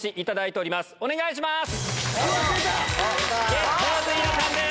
お願いします！